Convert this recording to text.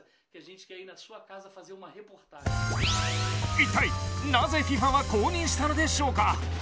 いったい、なぜＦＩＦＡは公認したのでしょうか。